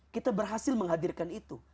kita berhasil menghadirkan itu